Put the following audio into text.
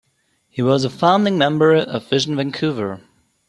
He was a founding member of Vision Vancouver.